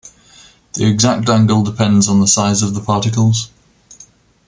The exact angle depends on the size of the particles.